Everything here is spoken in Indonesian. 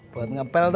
buat ngepel tuh